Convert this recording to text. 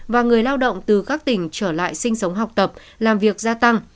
và người lao động từ các tỉnh trở lại sinh sống học tập làm việc gia tăng